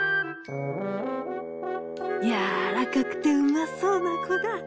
「やわらかくてうまそうなこだ。